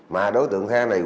mà đối tượng theo này